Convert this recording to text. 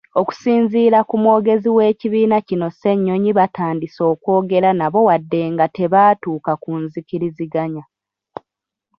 Okusinziira ku mwogezi w'ekibiina kino Ssenyonyi batandise okwogera nabo wadde nga tebaatuuka ku nzikiriziganya.